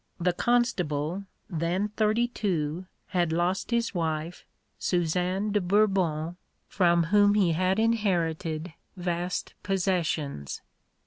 The Constable, then thirty two, had lost his wife, Susan de Bourbon, from whom he had inherited vast possessions.